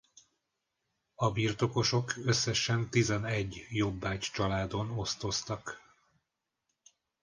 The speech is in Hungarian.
A birtokosok összesen tizenegy jobbágycsaládon osztoztak.